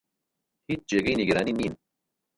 هیچ جێگەی نیگەرانی نین.